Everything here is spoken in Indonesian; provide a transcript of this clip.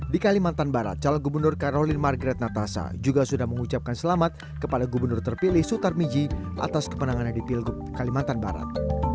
di kalimantan barat calon gubernur karolin margaret natasa juga sudah mengucapkan selamat kepada gubernur terpilih sutar miji atas kemenangannya di pilgub kalimantan barat